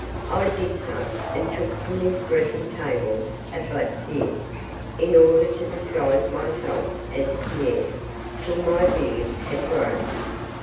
I did so, and took from his dressing table a black beard, in order to disguise myself as Pierre till my beard had grown.